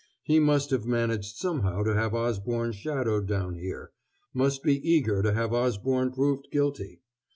He must have managed somehow to have Osborne shadowed down here must be eager to have Osborne proved guilty.